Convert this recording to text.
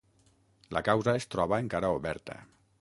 La causa es troba encara oberta.